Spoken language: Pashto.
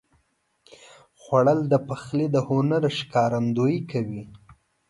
خوړل د پخلي د هنر ښکارندویي کوي